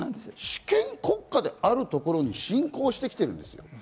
主権国家であるところに侵攻してきてるんです。